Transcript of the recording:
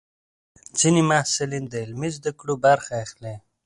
ځینې محصلین د عملي زده کړو برخه اخلي.